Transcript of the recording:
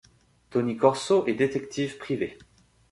Tony Corso est détective privé.